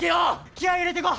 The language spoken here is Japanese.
気合い入れてこ！